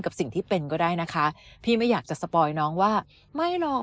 กับสิ่งที่เป็นก็ได้นะคะพี่ไม่อยากจะสปอยน้องว่าไม่หรอก